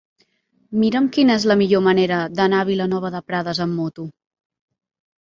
Mira'm quina és la millor manera d'anar a Vilanova de Prades amb moto.